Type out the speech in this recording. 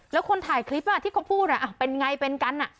แล้วคนถ่ายคลิปที่เขาพูดเป็นไงเป็นกัน